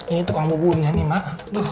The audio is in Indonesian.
ini tukang bubunnya nih mak